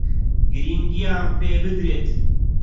گرنگییان پێ بدرێت